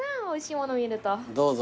どうぞ。